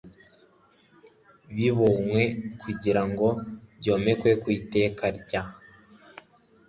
bibonywe kugira ngo byomekwe ku iteka rya